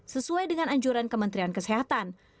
sesuai dengan anjuran kementerian kesehatan